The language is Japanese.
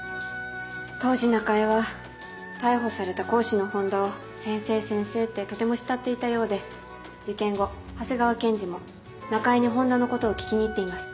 当時中江は逮捕された講師の本田を先生先生ってとても慕っていたようで事件後長谷川検事も中江に本田のことを聞きに行っています。